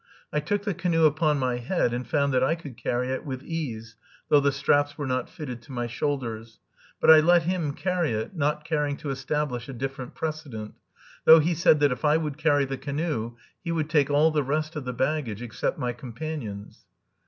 I took the canoe upon my head and found that I could carry it with ease, though the straps were not fitted to my shoulders; but I let him carry it, not caring to establish a different precedent, though he said that if I would carry the canoe, he would take all the rest of the baggage, except my companion's.